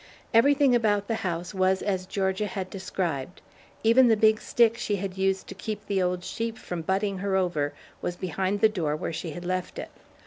Everything about the house was as Georgia had described. Even the big stick she had used to keep the old sheep from butting her over was behind the door where she had left it.